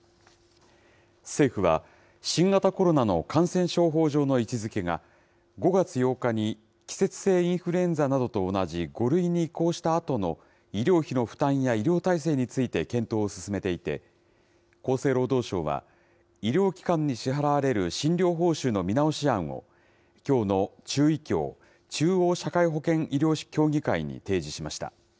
政府は、新型コロナの感染症法上の位置づけが、５月８日に季節性インフルエンザなどと同じ５類に移行したあとの、医療費の負担や医療体制について検討を進めていて、厚生労働省は、医療機関に支払われる診療報酬の見直し案を、きょうの中医協・中央社会保険医療協議会に提示しました。